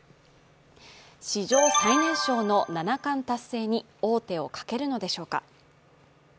史上最年少の七冠達成に王手をかけるのでしょうか。